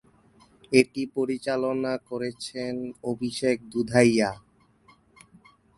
এটি পরিচালনা করেছেন অভিষেক দুধাইয়া।